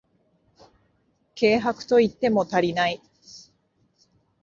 軽薄と言っても足りない